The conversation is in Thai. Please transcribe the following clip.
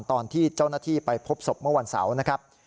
ตอนที่เจ้าหน้าที่ไปพบศพเมื่อวันเสาร์นะครับ